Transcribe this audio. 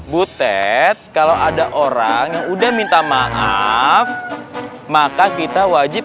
butet kalau ada orang yang udah minta maaf maka kita wajib